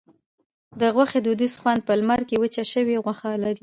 د غوښې دودیز خوند په لمر کې وچه شوې غوښه لري.